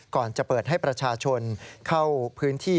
ก่อนจะเปิดให้ประชาชนเข้าพื้นที่